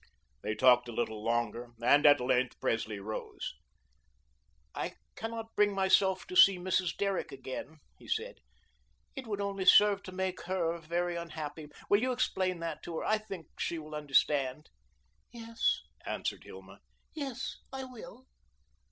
They talked a little longer, and at length Presley rose. "I cannot bring myself to see Mrs. Derrick again," he said. "It would only serve to make her very unhappy. Will you explain that to her? I think she will understand." "Yes," answered Hilma. "Yes, I will."